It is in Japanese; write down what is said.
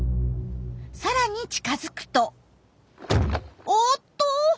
さらに近づくとおっと！